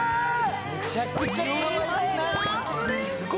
めちゃくちゃかわいくない？